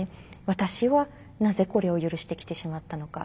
私はなぜこれを許してきてしまったのか。